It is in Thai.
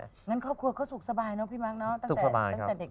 งั้นครอบครัวเขาสุขสบายเนอะพี่มั๊กเนอะ